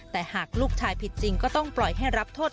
แต่หากลูกชายผิดจริงก็ต้องปล่อยให้รับโทษ